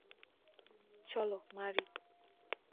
চলো, মারি।